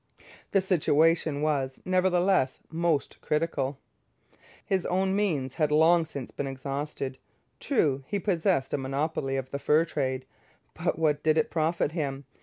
The situation was nevertheless most critical. His own means had long since been exhausted. True, he possessed a monopoly of the fur trade, but what did it profit him?